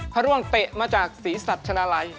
พระร่วงเตะมาจากศรีสัชนาลัย